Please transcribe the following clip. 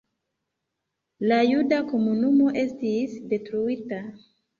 La juda komunumo estis detruita.